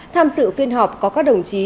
tham sự phiên họp có các đồng chí